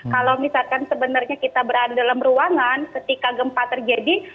kalau misalkan sebenarnya kita berada dalam ruangan ketika gempa terjadi